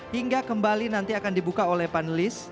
hingga kembali nanti akan dibuka oleh panelis